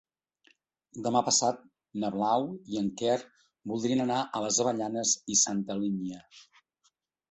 Demà passat na Blau i en Quer voldrien anar a les Avellanes i Santa Linya.